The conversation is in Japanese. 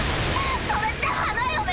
それって花嫁？